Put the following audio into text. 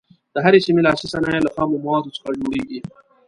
د هرې سیمې لاسي صنایع له خامو موادو څخه جوړیږي.